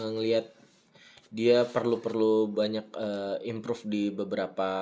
ngelihat dia perlu perlu banyak improve di beberapa